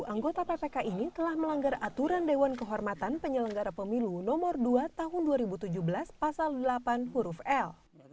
anggota ppk ini telah melanggar aturan dewan kehormatan penyelenggara pemilu nomor dua tahun dua ribu tujuh belas pasal delapan huruf l